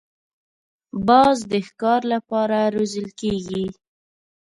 باز د ښکار له پاره روزل کېږي